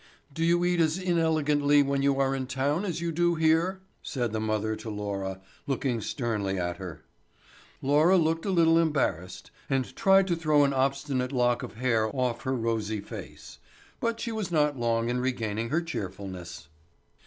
"Do you eat as inelegantly when you are in town as you do here?" said the mother to Laura, looking sternly at her. Laura looked a little embarrassed, and tried to throw an obstinate lock of hair off her rosy face; but she was not long in regaining her cheerfulness.